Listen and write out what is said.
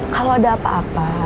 kalau ada apa apa